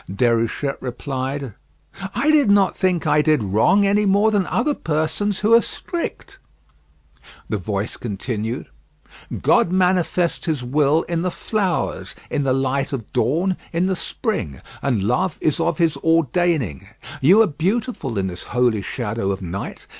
Déruchette replied, "I did not think I did wrong any more than other persons who are strict." The voice continued: "God manifests his will in the flowers, in the light of dawn, in the spring; and love is of his ordaining. You are beautiful in this holy shadow of night.